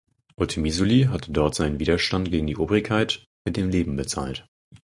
Otemisuly hatte dort seinen Widerstand gegen die Obrigkeit mit dem Leben bezahlt.